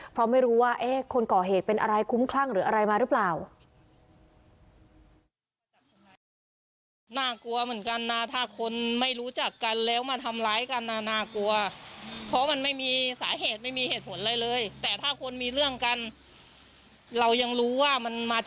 เพราะไม่รู้ว่าคนก่อเหตุเป็นอะไรคุ้มคลั่งหรืออะไรมาหรือเปล่า